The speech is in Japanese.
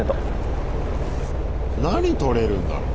何とれるんだろう？